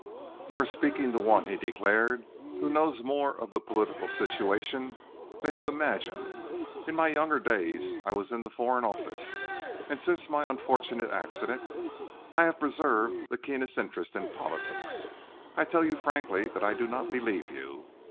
"You are speaking to one," he declared, "who knows more of the political situation than you imagine. In my younger days I was in the Foreign Office. Since my unfortunate accident I have preserved the keenest interest in politics. I tell you frankly that I do not believe you.